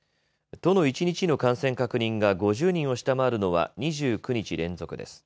都の一日の感染確認が５０人を下回るのは２９日連続です。